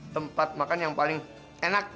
tempat makan yang paling enak